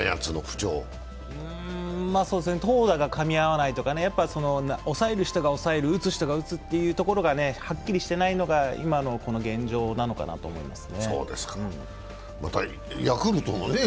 投打がかみ合わないとか抑える人が抑える、打つ人が打つというところがはっきりしてないのが今の現状なのかなと思いますね。